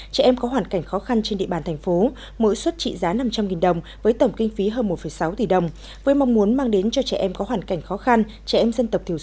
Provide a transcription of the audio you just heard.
trẻ em có hoàn cảnh khó khăn trên địa bàn thành phố mỗi suất trị giá năm trăm linh đồng với tổng kinh phí hơn một sáu tỷ đồng